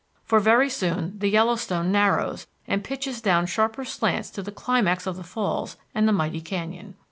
For very soon the Yellowstone narrows and pitches down sharper slants to the climax of the falls and the mighty canyon.